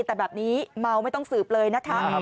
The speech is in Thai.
แต่แบบนี้เมาไม่ต้องสืบเลยนะคะ